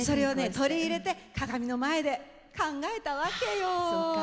取り入れて鏡の前で考えたわけよ。